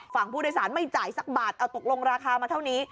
ฝั่งผู้โดยสารไม่จ่ายสักบาทเอาตกลงราคามาเท่านี้